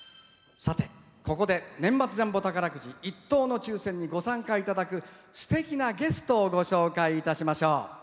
さてここで年末ジャンボ宝くじ１等の抽せんにご参加いただくすてきなゲストをご紹介いたしましょう。